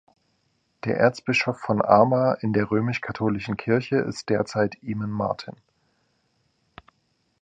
Der Erzbischof von Armagh in der römisch-katholischen Kirche ist derzeit Eamon Martin.